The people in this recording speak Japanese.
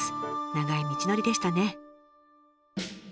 長い道のりでしたね。